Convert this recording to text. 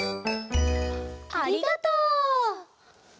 ありがとう！